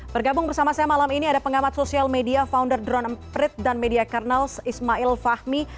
bergabung bersama saya malam ini ada pengamat sosial media founder drone emprit dan media karnals ismail fahmi